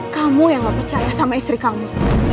kamu yang gak percaya sama istri kamu